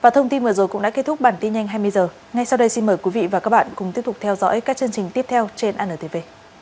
thông tin vừa rồi cũng đã kết thúc bản tin nhanh hai mươi h ngay sau đây xin mời quý vị và các bạn cùng tiếp tục theo dõi các chương trình tiếp theo trên antv